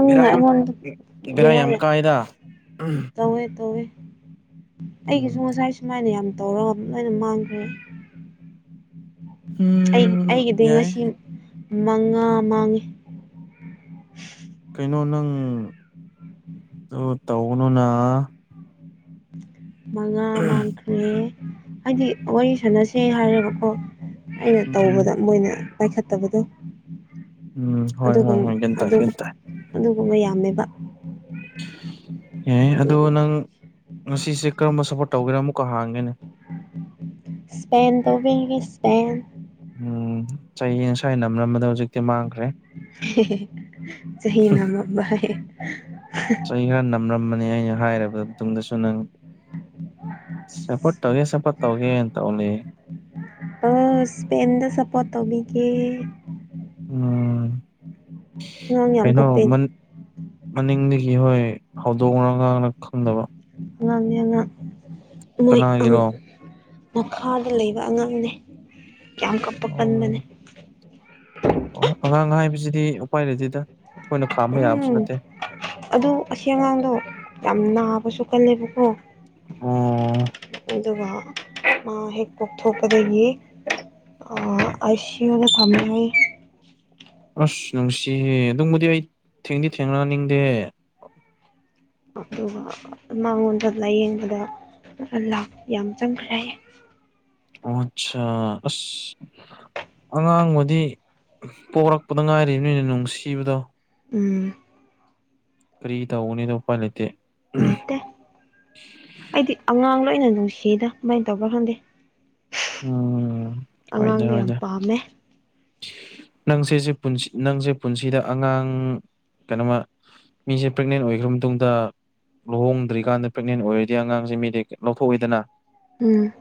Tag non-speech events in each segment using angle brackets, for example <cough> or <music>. ꯕꯦꯔꯥ ꯌꯥꯝ ꯑꯩꯉꯣꯟꯗ ꯕꯦꯔꯥ ꯌꯥꯝ ꯀꯥꯏꯗ ꯇꯧꯋꯦ ꯇꯧꯋꯦ ꯑꯩꯒꯤꯁꯨ ꯎꯝ ꯉꯁꯥꯏ ꯁꯨꯃꯥꯏꯅ ꯌꯥꯝ ꯇꯧꯔꯒ ꯑꯗꯨꯝ ꯂꯣꯏꯅ ꯃꯥꯡꯈ꯭ꯔꯦ ꯑꯩ ꯎꯝ ꯑꯩꯒꯤꯗꯤ ꯌꯥꯏ ꯉꯁꯤ ꯃꯪꯉꯥ ꯃꯥꯡꯉꯦ ꯀꯩꯅꯣ ꯅꯪ ꯑꯗꯨ ꯇꯧꯒꯅꯨꯅ ꯃꯪꯉꯥ ꯃꯥꯡꯈ꯭ꯔꯦ ꯍꯥꯏꯗꯤ ꯋꯥꯔꯤ ꯁꯥꯟꯅꯁꯦ ꯍꯥꯏꯔꯒꯀꯣ ꯑꯩꯅ ꯎꯝ ꯇꯧꯕꯗ ꯃꯣꯏꯅ ꯄꯥꯏꯈꯠꯇꯕꯗꯣ ꯎꯝ ꯍꯣꯏ ꯑꯗꯨꯒ ꯍꯣꯏ ꯍꯣꯏ ꯒ꯭ꯌꯥꯟ ꯇꯥꯏ ꯒ꯭ꯌꯥꯟ ꯇꯥꯏ ꯑꯗꯨꯒꯨꯝꯕ ꯌꯥꯝꯃꯦꯕ ꯌꯥꯏ ꯑꯗꯣ ꯅꯪ ꯉꯁꯤꯁꯦ ꯀꯔꯝꯕ ꯁꯄꯣꯔꯠ ꯇꯧꯒꯦꯔꯥ ꯑꯃꯨꯛꯀ ꯍꯥꯡꯒꯦꯅꯦ ꯏꯁꯄꯦꯟ ꯇꯧꯕꯤꯒꯅꯤ ꯏꯁꯄꯦꯟ ꯎꯝ ꯆꯍꯤ ꯉꯁꯥꯏ ꯅꯝꯔꯝꯕꯗꯣ ꯍꯧꯖꯤꯛꯇꯤ ꯃꯥꯡꯈ꯭ꯔꯦ ꯆꯍꯤ ꯅꯝꯔꯝꯕꯔ꯭ꯌꯦ ꯆꯍꯤ ꯈꯔ ꯅꯝꯔꯝꯕꯅꯤ ꯑꯩꯅ ꯍꯥꯏꯔꯕ ꯃꯇꯨꯡꯗꯁꯨ ꯅꯪ ꯁꯄꯣꯔꯠ ꯇꯧꯒꯦ ꯁꯄꯣꯔꯠ ꯇꯧꯒꯦꯅ ꯇꯧꯅꯦ ꯑꯣ ꯏꯁꯄꯦꯟꯗ ꯁꯄꯣꯔꯠ ꯇꯧꯕꯤꯒꯦ ꯎꯝ ꯑꯉꯥꯡ ꯌꯥꯝ ꯀꯩꯅꯣ ꯀꯞꯄꯦꯅꯦ ꯃꯅꯤꯡꯗꯒꯤ ꯍꯣꯏ ꯍꯧꯗꯣꯡꯔ ꯑꯉꯥꯡꯔ ꯈꯪꯗꯕ ꯑꯉꯥꯡꯅꯦ ꯑꯉꯥꯡ ꯃꯣꯏ ꯑꯪ ꯀꯅꯥꯒꯤꯔꯣ ꯃꯈꯥꯗ ꯂꯩꯕ ꯑꯉꯥꯡꯅꯦ ꯌꯥꯝ ꯀꯞꯄꯛ ꯑꯣ ꯀꯟꯕꯅꯦ ꯑꯣ ꯑꯉꯥꯡ ꯍꯥꯏꯕꯁꯤꯗꯤ ꯎꯄꯥꯏ ꯂꯩꯗꯦꯗ ꯎꯝ ꯑꯗꯨ ꯑꯁꯤ ꯑꯉꯥꯡꯗꯣ ꯌꯥꯝ ꯅꯥꯕꯁꯨ ꯀꯜꯂꯦꯕꯀꯣ ꯑꯣ ꯑꯗꯨꯒ ꯃꯥ ꯍꯦꯛ ꯄꯣꯛꯊꯣꯛꯄꯗꯒꯤ ꯑꯥ ꯑꯥꯏ ꯁꯤ ꯌꯨꯗ ꯊꯝꯃꯦ ꯍꯥꯏꯌꯦ ꯑꯁ ꯅꯨꯡꯁꯤꯍꯦ ꯑꯗꯨꯝꯕꯨꯗꯤ ꯑꯩ ꯊꯦꯡꯗꯤ ꯊꯦꯡꯅꯅꯤꯡꯗꯦ ꯑꯗꯨꯒ ꯃꯉꯣꯟꯗ ꯂꯥꯏꯌꯦꯡꯕꯗ ꯑꯥ ꯂꯥꯛ ꯌꯥꯝ ꯆꯪꯈ꯭ꯔꯦ ꯍꯥꯏꯌꯦ ꯑꯣ ꯑꯠꯁꯥ ꯑꯁ ꯑꯉꯥꯡꯕꯨꯗꯤ ꯄꯣꯔꯛꯄꯗ ꯉꯥꯏꯔꯤꯕꯅꯤꯅ ꯅꯨꯡꯁꯤꯕꯗꯣ ꯎꯝ ꯀꯔꯤ ꯇꯧꯒꯅꯤꯗ ꯎꯄꯥꯏ ꯂꯩꯇꯦ ꯂꯩꯇꯦ ꯑꯩꯗꯤ ꯑꯉꯥꯡ ꯂꯣꯏꯅ ꯅꯨꯡꯁꯤꯗ ꯀꯃꯥꯏ ꯇꯧꯕꯔ ꯈꯪꯗꯦ ꯎꯝ ꯍꯣꯏꯗ ꯑꯉꯥꯡꯗꯤ ꯌꯥꯝ ꯍꯣꯏꯗ ꯄꯥꯝꯃꯦ ꯅꯪꯁꯦ ꯄꯨꯟꯁꯤꯗ ꯑꯉꯥꯡ ꯀꯩꯅꯣꯃ ꯃꯤꯁꯦ ꯄ꯭ꯔꯦꯒꯅꯦꯟ ꯑꯣꯏꯈ꯭ꯔ ꯃꯇꯨꯡꯗ ꯂꯨꯍꯣꯡꯗ꯭ꯔꯤꯀꯥꯟꯗ ꯄ꯭ꯔꯦꯛꯅꯦꯟ ꯑꯣꯏꯔꯗꯤ ꯑꯉꯥꯡꯁꯦ ꯃꯤꯗꯤ ꯂꯧꯊꯣꯛꯏꯗꯅ ꯎꯝ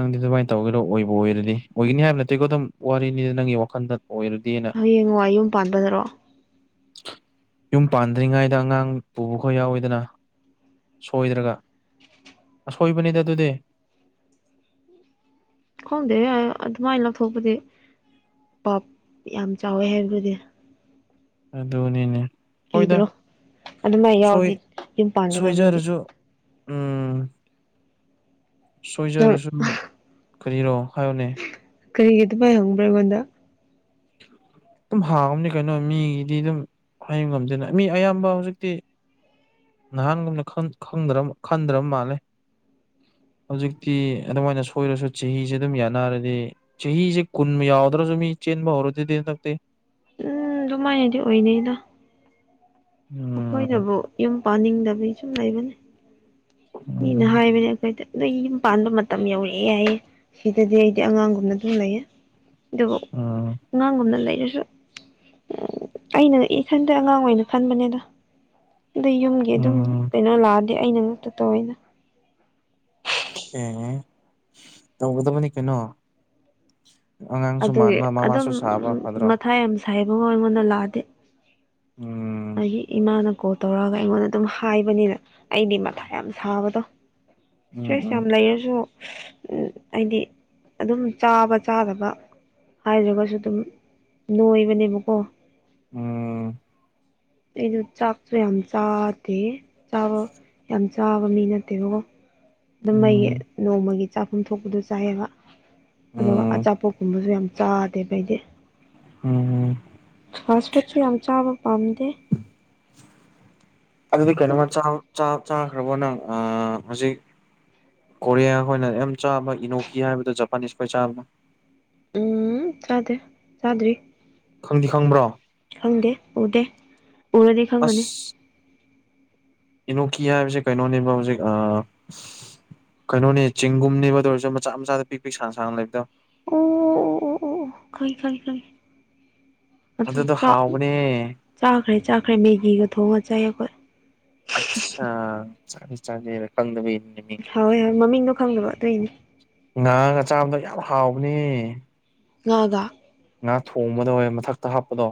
ꯅꯪꯗꯤ ꯑꯗꯨꯃꯥꯏꯅ ꯇꯧꯒꯦꯔꯣ ꯑꯣꯏꯕ ꯑꯣꯏꯔꯗꯤ ꯑꯣꯏꯒꯅꯤ ꯍꯥꯏꯕ ꯅꯠꯇꯦꯀꯣ ꯑꯗꯨꯝ ꯋꯥꯔꯤꯅꯤꯗ ꯅꯪꯒꯤ ꯋꯥꯈꯟꯗ ꯍꯌꯦꯡꯋꯥꯢ ꯌꯨꯝ ꯄꯥꯟꯕꯗꯔꯣ ꯌꯨꯝ ꯄꯥꯟꯗ꯭ꯔꯤꯉꯩꯗ ꯑꯉꯥꯡ ꯄꯨꯕꯈꯣꯢ ꯌꯥꯎꯋꯤꯗꯅ ꯁꯣꯏꯔꯒ ꯑꯁꯣꯏꯕꯅꯤꯗ ꯑꯗꯨꯗꯤ ꯈꯪꯗꯦ ꯑꯗꯨꯃꯥꯏ ꯂꯧꯊꯣꯛꯄꯗꯤ ꯄꯞ ꯌꯥꯝ ꯆꯥꯎꯋꯦ ꯍꯥꯏꯕꯗꯨꯗꯤ ꯑꯗꯨꯅꯤꯅꯦ ꯍꯣꯏꯗ ꯀꯤꯗ꯭ꯔꯣ ꯑꯗꯨꯃꯥꯏ ꯁꯣꯏ ꯌꯥꯎꯔꯗꯤ ꯌꯨꯝ ꯄꯥꯟꯒꯗꯕꯅꯤꯅꯦ ꯁꯣꯏꯖꯔꯖꯨ ꯎꯝ ꯅꯪ ꯁꯣꯏꯖꯔꯁꯨ ꯀꯔꯤꯔꯣ ꯍꯥꯏꯌꯣꯅꯦ ꯀꯔꯤꯒꯤ ꯑꯗꯨꯃꯥꯏ ꯍꯪꯕ꯭ꯔꯥ ꯑꯩꯉꯣꯟꯗ ꯑꯗꯨꯝ ꯍꯥꯡꯉꯝꯅꯤ ꯀꯩꯅꯣ ꯃꯤꯒꯤꯗꯤ ꯑꯗꯨꯝ ꯍꯥꯏꯕ ꯉꯝꯗꯅ ꯃꯤ ꯑꯌꯥꯝꯕ ꯍꯧꯖꯤꯛꯇꯤ ꯅꯍꯥꯟꯒꯨꯝꯅ ꯈꯟ ꯈꯟꯗ꯭ꯔ ꯈꯟꯗ꯭ꯔꯕ ꯃꯥꯜꯂꯦ ꯎꯝ ꯍꯧꯖꯤꯛꯇꯤ ꯑꯗꯨꯃꯥꯏꯅ ꯁꯣꯏꯔꯁꯨ ꯆꯍꯤꯁꯦ ꯑꯗꯨꯝ ꯌꯥꯅꯔꯗꯤ ꯆꯍꯤꯁꯦ ꯀꯨꯟ ꯌꯥꯎꯗ꯭ꯔꯁꯨ ꯃꯤ ꯆꯦꯟꯕ ꯍꯧꯔꯗꯨꯗꯤ ꯍꯟꯗꯛꯇꯤ ꯎꯝ ꯑꯗꯨꯃꯥꯏꯅꯗꯤ ꯑꯣꯏꯅꯩꯗ ꯎꯝ ꯑꯩꯈꯣꯏꯅꯕꯨ ꯌꯨꯝ ꯄꯥꯅꯤꯡꯗꯕꯒꯤ ꯁꯨꯝ ꯂꯩꯕꯅꯤ ꯃꯤꯅ ꯎꯝ ꯍꯥꯏꯕꯅꯦ ꯑꯩꯈꯣꯏꯗ ꯅꯣꯏ ꯌꯨꯝ ꯄꯥꯟꯕ ꯃꯇꯝ ꯌꯧꯔꯛꯑꯦ ꯍꯥꯏꯌꯦ ꯁꯤꯗꯗꯤ ꯑꯩꯗꯤ ꯑꯉꯥꯡꯒꯨꯝꯅ ꯑꯗꯨꯝ ꯂꯩꯌꯦ ꯗꯣ ꯑꯉꯥꯡ ꯒꯨꯝꯅ ꯂꯩꯔꯁꯨ ꯁꯨ ꯎꯝ ꯑꯩꯅ ꯏꯊꯟꯇ ꯑꯉꯥꯡ ꯑꯣꯏꯅ ꯈꯟꯕꯅꯦꯗ ꯑꯗꯨꯏ ꯌꯨꯝꯒꯤ ꯑꯗꯨꯝ ꯎꯝ ꯀꯩꯅꯣ ꯂꯥꯛꯑꯗꯤ ꯑꯩꯅ ꯉꯥꯛꯇ ꯇꯧꯋꯦꯗ ꯑꯣꯛꯈꯦ ꯇꯧꯒꯗꯕꯅꯤ ꯀꯩꯅꯣ ꯑꯉꯥꯡꯁꯨ ꯑꯗꯨꯒꯤ ꯃꯥꯟꯕ ꯑꯗꯨꯝ ꯃꯃꯥꯁꯨ ꯁꯥꯕ ꯐꯗ꯭ꯔꯣ ꯃꯊꯥ ꯌꯥꯝ ꯁꯥꯏꯌꯦꯕꯀꯣ ꯑꯩꯉꯣꯟꯗ ꯂꯥꯛꯑꯗꯤ ꯑꯝ ꯑꯩꯒꯤ ꯏꯃꯥꯅ ꯀꯣꯜ ꯇꯧꯔꯛꯑꯒ ꯑꯩꯉꯣꯟꯗ ꯑꯗꯨꯝ ꯍꯥꯏꯕꯅꯤꯅ ꯑꯩꯗꯤ ꯃꯊꯥ ꯌꯥꯝ ꯁꯥꯕꯗꯣ ꯎꯝ ꯁꯇ꯭ꯔꯦꯁ ꯎꯝ ꯌꯥꯝ ꯂꯩꯔꯁꯨ ꯎꯝ ꯑꯩꯗꯤ ꯑꯗꯨꯝ ꯆꯥꯕ ꯆꯥꯗꯕ ꯍꯥꯏꯗ꯭ꯔꯒꯁꯨ ꯑꯗꯨꯝ ꯅꯣꯏꯕꯅꯦꯕꯀꯣ ꯎꯝ ꯑꯩꯗꯣ ꯆꯥꯥꯛꯇꯣ ꯌꯥꯝ ꯆꯥꯗꯦ ꯆꯥꯕ ꯌꯥꯝ ꯆꯥꯕ ꯃꯤ ꯅꯠꯇꯦꯕꯀꯣ ꯑꯗꯨꯝ ꯑꯩꯒꯤ ꯎꯝ ꯅꯣꯡꯃꯒꯤ ꯆꯥꯐꯝ ꯊꯣꯛꯄꯗꯣ ꯆꯥꯏꯑꯦꯕ ꯑꯗꯨꯒ ꯎꯝ ꯑꯆꯥꯄꯣꯠꯀꯨꯝꯕꯁꯨ ꯌꯥꯝ ꯆꯗꯦꯕ ꯑꯩꯗꯤ ꯎꯝ ꯎꯝ ꯐꯥꯁꯐꯨꯠꯁꯨ ꯌꯥꯝ ꯆꯥꯕ ꯄꯝꯗꯦ ꯑꯗꯨꯗꯤ ꯀꯩꯅꯣꯝꯃ ꯆꯥ ꯆꯥ ꯆꯥꯈ꯭ꯔꯕꯣ ꯅꯪ ꯑꯥ ꯍꯧꯖꯤꯛ ꯀꯣꯔꯤꯌꯥ ꯈꯣꯏꯅ ꯌꯥꯝ ꯆꯥꯕ ꯏꯅꯣꯀꯤ ꯍꯥꯏꯕꯗꯣ ꯖꯄꯥꯅꯤꯁ ꯈꯣꯏ ꯆꯥꯕꯗꯣ ꯎꯝ ꯆꯥꯗꯦ ꯆꯥꯗ꯭ꯔꯤ ꯈꯪꯗꯤ ꯈꯪꯕ꯭ꯔꯣ ꯈꯪꯗꯦ ꯎꯗꯦ ꯎꯔꯗꯤ ꯈꯪꯒꯅꯤ ꯑꯁ ꯏꯅꯣꯀꯤ ꯍꯥꯏꯕꯁꯦ ꯀꯩꯅꯣꯅꯦꯕ ꯍꯧꯖꯤꯛ ꯑ ꯀꯩꯅꯣꯅꯦ ꯆꯤꯡꯒꯨꯝꯅꯦꯕ ꯑꯗꯨ ꯑꯣꯏꯔꯁꯨ ꯃꯆꯥ ꯃꯆꯥꯗ ꯄꯤꯛ ꯄꯤꯛ ꯁꯥꯡ ꯁꯥꯡꯅ ꯂꯩꯕꯗꯣ ꯑꯣ ꯑꯣ ꯑꯣ ꯑꯣ ꯑꯣ ꯑꯣ ꯈꯪꯉꯦ ꯈꯪꯉꯦ ꯈꯪꯉꯦ ꯑꯗꯨ ꯑꯗꯨꯗꯣ ꯆꯥ ꯍꯥꯎꯕꯅꯦ ꯆꯥꯈ꯭ꯔꯦ ꯆꯥꯈ꯭ꯔꯦ ꯃꯦꯒꯤꯒ ꯊꯣꯡꯉꯥ ꯆꯥꯏ ꯑꯩꯈꯣꯏ ꯑꯠꯁꯥ ꯆꯥꯗꯦ ꯆꯥꯗꯦ ꯍꯥꯏꯔ ꯈꯪꯗꯕꯒꯤ ꯍꯥꯎꯑꯦ ꯃꯃꯤꯡꯗꯣ ꯈꯪꯗꯕ ꯑꯗꯨꯏꯅꯤ ꯉꯥꯒ ꯆꯥꯕꯗꯣ ꯌꯥꯝ ꯍꯥꯎꯕꯅꯦ ꯉꯥꯒ ꯉꯥ ꯊꯣꯡꯕꯗꯣ ꯍꯣꯏ ꯃꯊꯛꯇ ꯍꯥꯞꯄꯗꯣ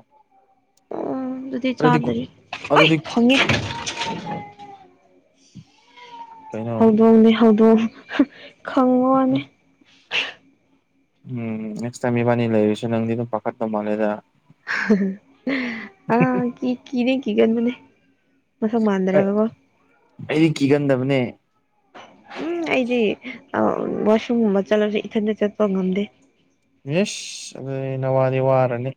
ꯎꯝ ꯑꯗꯨꯗꯤ ꯆꯥꯗ꯭ꯔꯤ ꯑꯣꯢ ꯑꯗꯨꯗꯤ ꯈꯪꯉꯦ ꯀꯩꯅꯣ ꯍꯧꯗꯣꯡꯅꯦ ꯍꯧꯗꯣꯡ ꯈꯪꯕ ꯋꯥꯅꯦ ꯎꯝ ꯅꯦꯛꯁ ꯇꯥꯏꯝ ꯏꯕꯅꯤ ꯂꯩꯔꯁꯨ ꯅꯪꯗꯤ ꯑꯗꯨꯝ ꯐꯥꯈꯠꯄ ꯃꯥꯜꯂꯦꯗ <unintelligible> ꯀꯤ ꯀꯤꯗꯤ ꯀꯤꯒꯟꯕꯅꯦ ꯃꯁꯛ ꯃꯥꯟꯗ꯭ꯔꯒ ꯀꯣ ꯑꯩꯗꯤ ꯀꯤꯒꯟꯗꯕꯅꯦ ꯎꯝ ꯑꯩꯗꯤ ꯑ ꯋꯥꯁꯔꯨꯝꯒꯨꯝꯕ ꯆꯠꯂꯁꯨ ꯏꯊꯟꯗ ꯆꯥꯠꯄ ꯉꯝꯗꯦ ꯏꯁ ꯑꯗꯨꯗꯤ ꯅꯪ ꯋꯥꯗꯤ ꯋꯥꯔꯅꯤ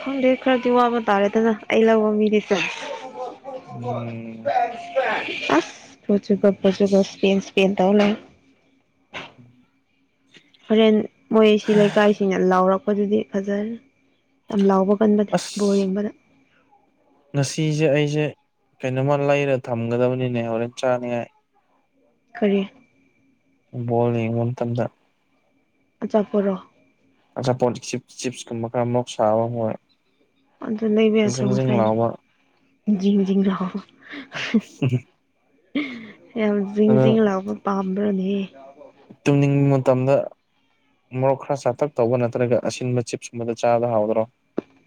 ꯈꯪꯗꯦ ꯈꯔꯗꯤ ꯋꯥꯕ ꯇꯥꯔꯦꯗꯅ ꯑꯩ ꯂꯧꯕ ꯃꯤꯗꯤꯁꯦꯁ ꯎꯝ ꯑꯁ ꯄꯣꯖꯨꯒ ꯄꯣꯖꯨꯒ ꯁꯄꯦꯟ ꯁꯄꯦꯟ ꯇꯧ ꯂꯩꯔꯦ <inaudible> ꯍꯣꯔꯦꯟ ꯃꯣꯏꯁꯤ ꯂꯩꯀꯥꯏꯁꯤꯡꯅ ꯂꯥꯎꯔꯛꯄꯗꯨꯗꯤ ꯐꯖꯔꯅꯤ ꯌꯥꯝ ꯂꯥꯎꯕ ꯀꯟꯕꯅꯦ ꯕꯣꯜ ꯌꯦꯡꯕꯗ ꯉꯁꯤꯖꯦ ꯑꯩꯖꯦ ꯀꯩꯅꯣꯝꯃ ꯂꯩꯔ ꯊꯝꯒꯗꯕꯅꯤꯅꯦ ꯍꯣꯔꯦꯟ ꯆꯥꯅꯤꯡꯉꯥꯏ ꯀꯔꯤ ꯕꯣꯜ ꯌꯦꯡꯕ ꯃꯇꯝꯗ ꯑꯆꯥꯄꯣꯠꯔꯣ ꯑꯆꯥꯄꯣꯠ ꯆꯤꯞꯁ ꯆꯤꯞꯁ ꯀꯨꯝꯕ ꯈꯔ ꯃꯣꯔꯣꯛ ꯁꯥꯕ ꯍꯣꯏ ꯑꯗꯨ ꯂꯩꯕ ꯖꯤꯡ ꯖꯤꯡ ꯌꯥꯗ꯭ꯔꯣꯉꯁꯥꯏꯅ ꯂꯥꯎꯕ ꯖꯤꯡ ꯖꯤꯡ ꯂꯥꯎꯕ <unintelligible> ꯌꯥꯝ ꯖꯤꯡ ꯑꯗꯨ ꯖꯤꯡ ꯂꯥꯎꯕ ꯄꯥꯝꯕ꯭ꯔꯥꯅꯦ ꯇꯨꯝꯅꯤꯡꯕ ꯃꯇꯝꯗ ꯃꯣꯔꯣꯛ ꯈꯔ ꯁꯥꯇꯛ ꯇꯧꯕ ꯅꯠꯇ꯭ꯔꯒ ꯑꯁꯤꯟꯕ ꯆꯤꯞꯁꯀꯨꯝꯕꯗꯣ ꯆꯥꯕꯗ ꯍꯥꯎꯗ꯭ꯔꯣ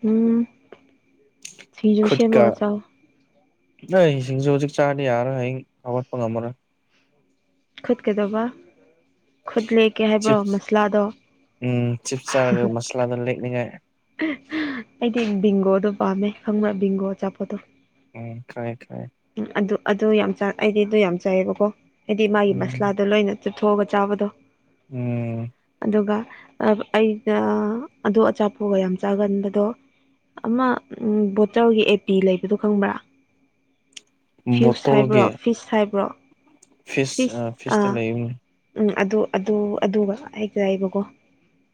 ꯎꯝ ꯁꯤꯡꯖꯨ ꯈꯨꯠꯀ ꯁꯦꯝꯃꯒꯥ ꯆꯥꯎ ꯅꯣꯏ ꯁꯤꯡꯖꯨ ꯍꯧꯖꯤꯛ ꯆꯥꯔꯗꯤ ꯌꯥꯔꯔꯣꯏ ꯍꯌꯦꯡ ꯍꯧꯒꯠꯄ ꯉꯝꯃꯔꯣꯏ ꯈꯨꯠ ꯀꯩꯗꯧꯕ ꯈꯨꯠ ꯂꯦꯛꯀꯦ ꯍꯥꯏꯕ꯭ꯔꯣ ꯆꯤꯞꯁ ꯃꯁꯂꯥꯗꯣ ꯎꯝ ꯆꯤꯞꯁ ꯆꯥꯔꯒ <unintelligible> <unintelligible> <unintelligible> ꯑꯩꯗꯤ ꯕꯤꯡꯒꯣꯗꯣ ꯄꯥꯝꯃꯦ ꯈꯪꯕꯔꯥ ꯕꯤꯡꯒꯣ ꯑꯆꯥꯄꯣꯠꯇꯣ ꯎꯝ ꯈꯪꯉꯦ ꯈꯪꯉꯦ ꯎꯝ ꯑꯗꯨ ꯑꯗꯨ ꯌꯥꯝ ꯆꯥ ꯑꯩꯗꯤ ꯑꯗꯨ ꯌꯥꯝ ꯆꯥꯏꯌꯦꯕꯀꯣ ꯑꯩꯗꯤ ꯃꯥꯒꯤ ꯎꯝ ꯃꯁꯥꯂꯥꯗꯣ ꯂꯣꯏꯅ ꯆꯨꯞꯊꯣꯛꯑꯒ ꯆꯥꯕꯗꯣ ꯎꯝ ꯑꯗꯨꯒ ꯑ ꯑꯩꯩꯅ ꯑꯗꯨ ꯑꯆꯥꯄꯣ ꯄꯨꯨ ꯌꯥꯝ ꯆꯥꯒꯟꯕꯗꯣ ꯑꯃ ꯕꯣꯇꯜꯒꯤ ꯑꯦ ꯄꯤ ꯂꯩꯕꯗꯣ ꯈꯪꯕ꯭ꯔꯥ ꯐꯨꯢꯁ ꯍꯥꯏꯕ꯭ꯔꯣ ꯕꯣꯇꯜꯒꯤ ꯐꯤꯁ ꯍꯥꯏꯕ꯭ꯔꯣ ꯐꯤꯁ ꯑ ꯐꯤꯁꯇꯤ ꯂꯩꯕꯅꯤ ꯎꯝ ꯑꯗꯨ ꯑꯗꯨ ꯑꯗꯨꯒ ꯍꯦꯛ ꯆꯥꯏꯌꯦꯕꯀꯣ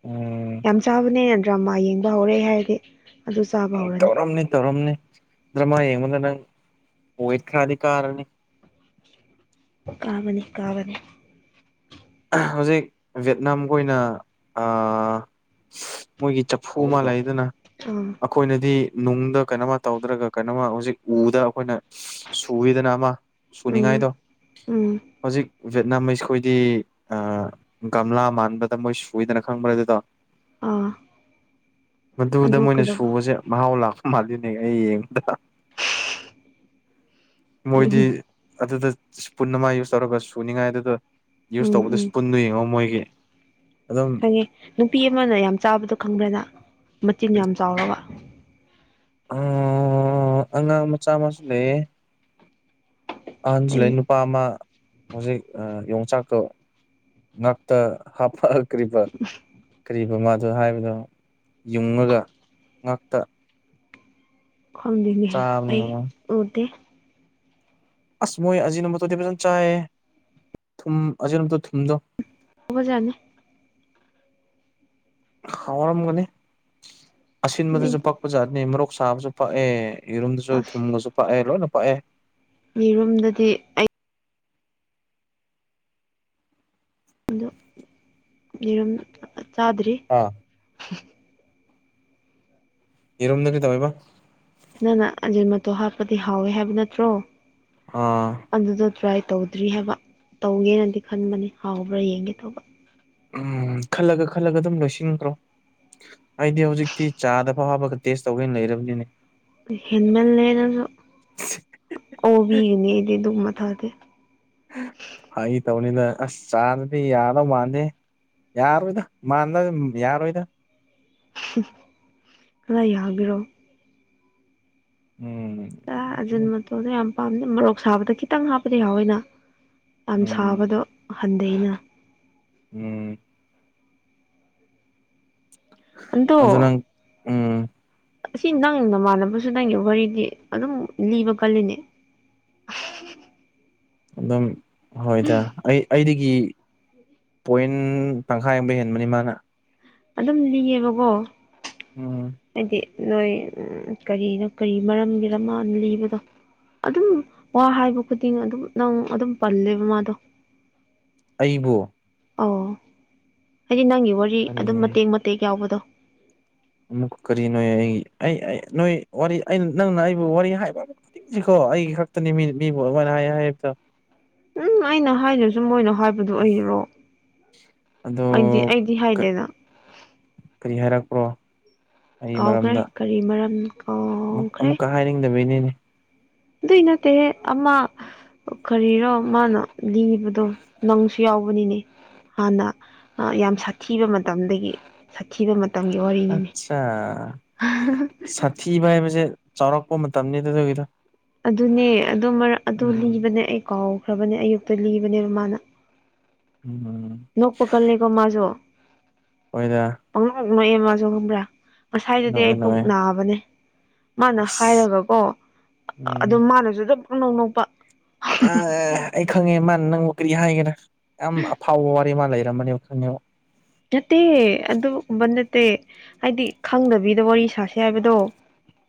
ꯎꯝ ꯌꯥꯝ ꯆꯥꯕꯅꯦ ꯗ꯭ꯔꯥꯃꯥ ꯌꯦꯡꯕ ꯍꯧꯔꯦ ꯍꯥꯏꯔꯗꯤ ꯑꯗꯨ ꯆꯥꯕ ꯍꯧꯔꯅꯤ ꯇꯧꯔꯝꯅꯤ ꯇꯧꯔꯝꯅꯤ ꯗ꯭ꯔꯥꯃꯥ ꯌꯦꯡꯕꯗ ꯅꯪ ꯑꯣꯠ ꯈꯔꯗꯤ ꯀꯥꯔꯅꯤ ꯀꯕꯅꯤ ꯀꯕꯅꯤ ꯍꯧꯖꯤꯛ ꯖꯦꯠꯅꯥ ꯃꯈꯣꯏꯅ ꯑ ꯃꯣꯏꯒꯤ ꯆꯐꯨ ꯑꯃ ꯂꯩꯗꯅ ꯑꯥ ꯑꯈꯣꯏꯅꯗꯤ ꯅꯨꯡꯗ ꯀꯩꯅꯣꯃ ꯇꯧꯗ꯭ꯔꯒ ꯀꯩꯅꯣꯃ ꯍꯧꯖꯤꯛ ꯎꯗ ꯑꯩꯈꯣꯏꯅ ꯁꯨꯏꯋꯦꯗꯅ ꯑꯃ ꯎꯝ ꯁꯨꯅꯤꯡꯉꯥꯏꯗꯣ ꯎꯝ ꯍꯧꯖꯤꯛ ꯖꯦꯠꯅꯥꯝꯁꯈꯣꯏꯗꯤ ꯑ ꯒꯝꯂꯥ ꯃꯥꯟꯕꯗ ꯃꯣꯏ ꯁꯨꯗꯅ ꯈꯪꯕ꯭ꯔꯥ ꯑꯗꯨꯗꯣ ꯑꯥ ꯃꯗꯨꯗ ꯑꯗꯨ ꯃꯣꯏꯅ ꯀꯩꯗꯧꯕ ꯁꯨꯕꯁꯦ ꯃꯍꯥꯎ ꯂꯥꯛꯄ ꯃꯥꯜꯂꯤꯅꯦ ꯑꯩ ꯌꯦꯕꯗ ꯃꯣꯏꯗꯤ ꯎꯝ ꯑꯗꯨꯗ ꯏꯁꯄꯨꯟ ꯑꯃ ꯌꯨꯁ ꯇꯧꯔꯒ ꯁꯨꯅꯤꯉꯥꯏ ꯑꯗꯨꯗ ꯌꯨꯁ ꯎꯝ ꯇꯧꯕꯗ ꯎꯝ ꯏꯁꯄꯨꯟꯗꯣ ꯌꯦꯡꯉꯣ ꯃꯣꯏꯒꯤ ꯑꯗꯨꯝ ꯈꯪꯉꯦ ꯅꯨꯄꯤ ꯑꯃꯅ ꯌꯥꯝ ꯆꯥꯕꯗꯣ ꯈꯪꯕ꯭ꯔꯅ ꯃꯆꯤꯟ ꯌꯥꯝ ꯆꯥꯎꯔꯒ ꯍꯣ ꯑꯉꯥꯡ ꯃꯆꯥ ꯑꯃꯁꯨ ꯂꯩꯌꯦ ꯑꯍꯟꯖꯨ ꯑꯩ ꯂꯩ ꯅꯨꯄꯥ ꯑꯃ ꯍꯧꯖꯤꯛ ꯑ ꯌꯣꯡꯆꯥꯛꯀ ꯉꯛꯇ ꯍꯥꯐꯛ ꯀꯔꯤꯕ ꯀꯔꯤꯕ ꯉꯥꯗꯣ ꯍꯥꯏꯕꯗꯣ ꯌꯨꯡꯉꯒ ꯉꯥꯛꯇ ꯈꯪꯗꯦꯅꯦ ꯆꯥꯕꯅꯤꯅ ꯑꯩ ꯃꯥ ꯎꯗꯦ ꯑꯁ ꯃꯣꯏ ꯑꯖꯤꯅ ꯃꯣꯇꯣꯔꯗꯤ ꯐꯖꯅ ꯆꯥꯏꯌꯦ ꯊꯨꯝ ꯑꯖꯤꯅ ꯃꯣꯇꯣꯔ ꯊꯨꯝꯗꯣ ꯎꯕꯖꯥꯅꯤ ꯍꯥꯎꯔꯝꯒꯅꯤ ꯑꯁꯤꯟꯕꯗꯁꯨ ꯑꯩꯗꯤ ꯄꯛꯄ ꯖꯥꯠꯅꯤ ꯃꯔꯣꯔꯣꯛ ꯁꯥꯕꯁꯨ ꯄꯛꯑꯦ ꯌꯦꯔꯨꯝꯗꯁꯨ ꯑꯁ ꯊꯨꯝꯒꯁꯨ ꯄꯥꯛꯑꯦ ꯂꯣꯏꯅ ꯄꯥꯛꯑꯦ ꯌꯦꯔꯨꯝꯗꯗꯤ ꯑꯩ ꯑꯩ ꯌꯦꯔꯨꯝ ꯆꯥꯗ꯭ꯔꯤ ꯑꯥ ꯌꯦꯔꯨꯝꯗ ꯀꯩꯗꯧꯑꯦꯕ ꯅꯪꯅ ꯑꯖꯤꯔ ꯃꯇꯣ ꯍꯥꯞꯄꯗꯤ ꯍꯥꯎꯋꯦ ꯍꯥꯏꯕ ꯅꯠꯇ꯭ꯔꯣ ꯑꯥ ꯑꯗꯨꯗ ꯇ꯭ꯔꯥꯏ ꯇꯧꯗ꯭ꯔꯤ ꯍꯥꯏꯕ ꯇꯧꯒꯦꯅꯗꯤ ꯈꯟꯕꯅꯤ ꯍꯥꯎꯕ꯭ꯔꯥ ꯌꯦꯡꯒꯦ ꯇꯧꯕ ꯎꯝ ꯈꯜꯂꯒ ꯈꯜꯂꯒ ꯑꯗꯨꯝ ꯂꯣꯏꯁꯤꯟꯈ꯭ꯔꯣ ꯑꯩꯗꯤ ꯍꯧꯖꯤꯛꯇꯤ ꯆꯥꯗ ꯋꯥꯕꯒ ꯇꯦꯁ ꯇꯧꯒꯦ ꯂꯩꯔꯕꯅꯤꯅꯦ ꯍꯦꯟꯃꯜꯂꯦꯅꯁꯨ ꯑꯣꯕꯤꯒꯅꯤ ꯑꯩꯗꯤ ꯑꯗꯨ ꯊꯥꯗꯦ ꯐꯩꯒꯤ ꯇꯧꯅꯤꯗ ꯑꯁ ꯆꯥꯗꯗꯤ ꯌꯥꯗꯧ ꯃꯥꯟꯗꯦ ꯌꯥꯔꯣꯏꯗ ꯃꯥꯗꯝ ꯌꯥꯔꯣꯏꯗ ꯈꯔꯥ ꯌꯥꯒ꯭ꯦꯔꯣ ꯎꯝ ꯑ ꯑꯖꯤꯟ ꯃꯇꯣꯗꯣ ꯌꯥꯝ ꯄꯥꯝꯗꯦ ꯃꯣꯔꯣꯛ ꯁꯥꯕꯗ ꯈꯤꯇꯪ ꯍꯥꯞꯄꯗꯤ ꯌꯥꯎꯋꯦꯅ ꯌꯥꯝ ꯎꯝ ꯁꯥꯕꯗꯣ ꯍꯟꯗꯩꯅ ꯎꯝ ꯑꯗꯣ ꯑꯗꯨ ꯅꯪ ꯎꯝ ꯑꯁꯤ ꯅꯪ ꯅꯃꯥꯟꯅꯕꯁꯨ ꯅꯪꯒꯤ ꯋꯥꯔꯤꯗꯤ ꯑꯗꯨꯝ ꯂꯤꯕ ꯀꯜꯂꯤꯅꯦ <inaudible> ꯑꯗꯨꯝ ꯍꯣꯏꯗ ꯑꯩ ꯑꯩꯗꯒꯤ ꯄꯣꯏꯟ ꯇꯪꯈꯥꯏ ꯑꯃꯕ ꯍꯦꯟꯕꯅꯤ ꯃꯥꯅ ꯑꯗꯨꯝ ꯂꯤꯌꯦꯕꯀꯣ ꯎꯝ ꯍꯥꯏꯗꯤ ꯅꯣꯏ ꯀꯔꯤꯅꯣ ꯀꯔꯤ ꯃꯔꯝꯒꯤꯔ ꯃꯥꯅ ꯂꯤꯕꯗꯣ ꯑꯗꯨꯝ ꯋꯥ ꯍꯥꯏꯕ ꯈꯨꯗꯤꯡ ꯑꯗꯨꯝ ꯅꯪ ꯑꯗꯨꯝ ꯄꯜꯂꯦꯕ ꯃꯥꯗꯣ ꯑꯩꯕꯨ ꯑꯧ ꯍꯥꯏꯗꯤ ꯅꯪꯒꯤ ꯋꯥꯔꯤ ꯀꯔꯤ ꯑꯗꯨꯝ ꯃꯇꯦꯛ ꯃꯇꯦꯛ ꯌꯥꯎꯕꯗꯣ ꯑꯃꯨꯛꯀ ꯀꯔꯤꯅꯣ ꯑꯩ ꯑꯩ ꯅꯣꯏ ꯋꯥꯔꯤ ꯑꯩꯅ ꯅꯪꯅ ꯑꯩꯕꯨ ꯋꯥꯔꯤ ꯍꯥꯏꯕ <unintelligible> ꯑꯩꯒꯤ ꯈꯛꯇꯅꯤ ꯃꯤꯅ ꯃꯤꯕꯨ ꯑꯗꯨꯃꯥꯏꯅ ꯍꯥꯏ ꯍꯥꯏꯕꯗꯣ ꯎꯝ ꯑꯩꯅ ꯍꯥꯏꯗꯖꯨ ꯃꯣꯏꯅ ꯍꯥꯏꯕꯗꯨ ꯑꯩꯅꯔꯣ ꯑꯗꯣ ꯑꯩꯗꯤ ꯑꯩꯗꯤ ꯍꯥꯏꯗꯦꯅ ꯀ꯭ꯔꯣ ꯑꯩꯒꯤ ꯀꯥꯎꯈ꯭ꯔꯦ ꯃꯔꯝꯗ ꯀꯔꯤ ꯃꯔꯝꯅ ꯀꯥꯎꯈ꯭ꯔꯦ ꯑꯃꯨꯛꯀ ꯍꯥꯏꯅꯤꯡꯗꯕꯤꯅꯤꯅꯦ ꯑꯗꯨꯏ ꯅꯠꯇꯦꯍꯦ ꯑꯃ ꯀꯔꯤꯔꯣ ꯃꯥꯅ ꯂꯤꯕꯗꯣ ꯅꯪꯁꯨ ꯌꯥꯎ ꯌꯥꯎꯕꯅꯤꯅꯦ ꯍꯥꯟꯅ ꯌꯥꯝ ꯁꯥꯊꯤꯕ ꯃꯇꯝꯗꯒꯤ ꯁꯥꯊꯤꯕ ꯃꯇꯝꯒꯤ ꯋꯥꯔꯤꯅꯤꯅꯦ ꯑꯠꯆꯥ ꯁꯥꯊꯤꯕ ꯍꯥꯏꯕꯖꯦ ꯆꯥꯎꯔꯛꯄ ꯃꯇꯝꯅꯤ ꯑꯗꯨꯒꯤꯗꯣ ꯑꯗꯨꯅꯦ ꯑꯗꯨ ꯃꯔꯛ ꯑꯗꯣ ꯎꯝ ꯂꯤꯕꯅꯦ ꯑꯩ ꯀꯥꯎ ꯈ꯭ꯔꯕꯅꯦ ꯑꯌꯨꯛꯇ ꯂꯤꯕꯅꯦꯕ ꯃꯥꯅ ꯎꯝ ꯅꯣꯛꯄ ꯀꯜꯂꯦꯀꯣ ꯃꯥꯖꯨ ꯍꯣꯏꯗ ꯅꯣꯛꯑꯦ ꯃꯁꯨ ꯈꯪꯕ꯭ꯔ ꯉꯁꯥꯏꯗꯨꯗꯤ ꯅꯣꯛꯑꯦ ꯑꯩ ꯄꯨꯛ ꯅꯣꯛꯑꯦ ꯅꯕꯅꯦ ꯃꯥꯅ ꯑꯁ ꯍꯥꯏꯔꯒꯀꯣ ꯑꯗꯨ ꯃꯥꯅꯖꯨ ꯑꯗꯨꯝ ꯅꯣꯛ ꯅꯣꯛꯄ ꯑꯥ ꯑꯩ ꯈꯪꯉꯦ ꯃꯥ ꯅꯪ ꯀꯔꯤ ꯍꯥꯏꯒꯦꯔ ꯌꯥꯝ ꯑꯐꯥꯎꯕ ꯋꯥꯔꯤ ꯑꯃ ꯂꯩꯔꯝꯃꯅꯦꯕ ꯈꯪꯉꯦꯕ ꯅꯠꯇꯦ ꯑꯗꯨꯒꯨꯝꯕ ꯅꯠꯇꯦ ꯍꯥꯏꯗꯤ ꯈꯪꯗꯕꯤꯗ ꯋꯥꯔꯤ ꯁꯥꯁꯦ ꯍꯥꯏꯕꯗꯣ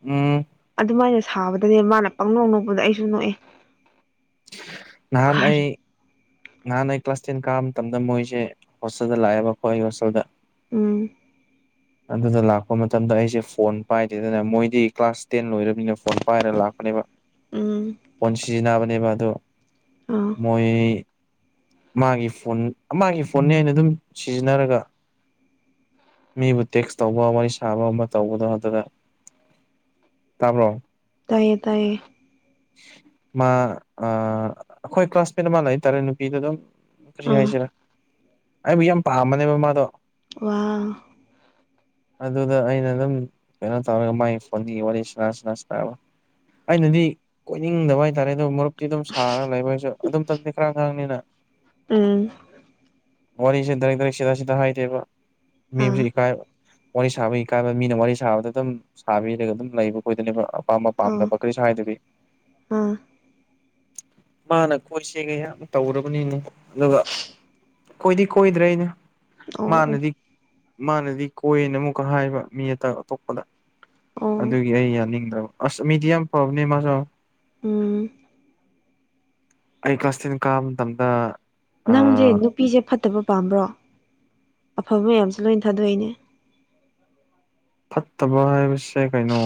ꯎꯝ ꯑꯗꯨꯃꯥꯏꯅ ꯁꯥꯕꯗꯅꯦ ꯃꯥꯅ ꯄꯪꯅꯣꯛ ꯅꯣꯛꯄꯗ ꯑꯩꯁꯨ ꯅꯣꯛꯑꯦ ꯅꯍꯥꯟ ꯑꯩ ꯅꯍꯥꯟ ꯑꯩ ꯀ꯭ꯂꯥꯁ ꯇꯦꯟ ꯀꯥꯕ ꯃꯇꯝꯗ ꯃꯣꯏꯖꯦ ꯍꯣꯁꯇꯦꯜꯗ ꯂꯥꯛꯑꯦꯕꯀꯣ ꯑꯩ ꯍꯣꯁꯇꯦꯜꯗ ꯎꯝ ꯑꯗꯨꯗ ꯂꯥꯛꯄ ꯃꯇꯝꯗ ꯑꯩꯖꯦ ꯐꯣꯟ ꯄꯥꯏꯗꯦꯗꯅ ꯃꯣꯏꯗꯤ ꯀ꯭ꯂꯥꯁ ꯇꯦꯟ ꯂꯣꯏ ꯑꯩꯅ ꯐꯣꯟ ꯄꯥꯏꯔ ꯂꯥꯛꯄꯅꯦꯕ ꯎꯝ ꯐꯣꯟ ꯁꯤꯖꯤꯟꯅꯕꯅꯦꯕ ꯑꯗꯣ ꯑꯥ ꯃꯣꯏ ꯃꯥꯒꯤ ꯐꯣꯟ ꯃꯥꯒꯤ ꯐꯣꯟꯅꯦ ꯑꯩꯅ ꯑꯗꯨꯝ ꯁꯤꯖꯤꯟꯅꯔꯒ ꯃꯤꯕꯨ ꯇꯦꯛꯁ ꯇꯧꯕ ꯋꯥꯔꯤ ꯁꯥꯕ ꯑꯃ ꯇꯧꯕꯗꯣ ꯑꯗꯨꯗ ꯇꯕ꯭ꯔꯣ ꯇꯌꯦ ꯇꯌꯦ ꯃꯥ ꯑꯥ ꯈꯣꯏ ꯀ꯭ꯂꯥꯁꯃꯦꯠ ꯑꯃ ꯂꯩꯇꯔꯦ ꯅꯨꯄꯤꯗꯣ ꯑꯗꯨꯝ ꯀꯔꯤ ꯑꯥ ꯍꯥꯏꯁꯤꯔ ꯑꯩꯕꯨ ꯌꯥꯝ ꯄꯥꯝꯕꯅꯦꯕ ꯃꯥꯗꯣ ꯋꯥꯎ ꯑꯗꯨꯗ ꯑꯩꯅ ꯑꯗꯨꯝ ꯀꯩꯅꯣ ꯇꯧꯔꯒ ꯃꯥꯏ ꯐꯣꯟꯗꯒꯤ ꯋꯥꯔꯤ ꯁꯅꯥ ꯁꯅꯥ ꯁꯅꯕ ꯑꯩꯅꯗꯤ ꯀꯣꯏꯅꯤꯡꯗꯕ ꯍꯥꯏꯇꯔꯦ ꯑꯗꯨ ꯃꯔꯨꯞꯇꯤ ꯑꯗꯨꯝ ꯁꯥꯔ ꯂꯩꯕ ꯑꯩꯁꯨ ꯑꯗꯨ ꯃꯇꯝꯗꯤ ꯈꯔ ꯑꯉꯥꯡꯅꯤꯅ ꯎꯝ ꯋꯥꯔꯤꯁꯦ ꯗꯏꯔꯦꯛ ꯗꯏꯔꯦꯛ ꯁꯤꯗ ꯁꯤꯗ ꯍꯥꯏꯗꯦꯕ ꯑꯥ ꯃꯤꯕꯨꯖꯨ ꯏꯀꯥꯏꯕ ꯋꯥꯔꯤ ꯁꯥꯕꯒꯤ ꯀꯥꯏꯕ ꯃꯤꯅ ꯋꯥꯔꯤ ꯁꯥꯕꯗ ꯑꯗꯨꯝ ꯁꯥꯕꯤꯔꯒ ꯑꯗꯨꯝ ꯂꯩꯕ ꯑꯈꯣꯏꯗꯅꯦꯕ ꯄꯥꯝꯕ ꯑꯣ ꯄꯥꯝꯗꯕ ꯀꯔꯤꯁꯨ ꯍꯥꯏꯗꯕꯤ ꯑꯥ ꯃꯥꯅ ꯀꯣꯏꯁꯦꯒ ꯌꯥꯝ ꯇꯧꯔꯕꯅꯤꯅꯦ ꯑꯗꯨꯒ ꯀꯣꯏꯗꯤ ꯀꯣꯏꯗ꯭ꯔꯦ ꯑꯩꯗꯤ ꯑꯣ ꯑꯣ ꯃꯥꯅꯥꯗꯤ ꯀꯣꯏꯅ ꯑꯃꯨꯛꯀ ꯍꯥꯏꯕ ꯃꯤ ꯑꯇ ꯑꯇꯣꯞꯄꯗ ꯑꯣ ꯑꯗꯨꯒꯤ ꯑꯩ ꯌꯥꯅꯤꯡꯗꯕ ꯑꯁ ꯃꯤꯗꯤ ꯌꯥꯝ ꯐꯕꯅꯤ ꯃꯁꯨ ꯎꯝ ꯑꯩ ꯀꯂ꯭ꯥꯁ ꯇꯦꯟ ꯀꯕ ꯃꯇꯝꯗ ꯑ ꯅꯪꯁꯦ ꯅꯨꯄꯤꯁꯦ ꯐꯠꯇꯕ ꯄꯥꯝꯕ꯭ꯔꯣ ꯑꯐꯕ ꯃꯌꯥꯝꯁꯦ ꯂꯣꯏꯅ ꯊꯥꯗꯣꯛꯏꯅꯦ ꯐꯠꯇꯕ ꯍꯥꯏꯕꯁꯦ ꯀꯩꯅꯣ